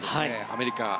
アメリカ。